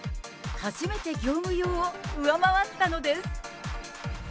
初めて業務用を上回ったのです。